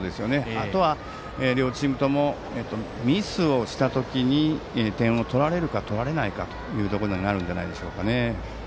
あとは、両チームともミスをした時に点を取られるか取られないかというところになるんじゃないですかね。